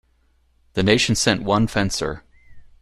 The nation sent one fencer.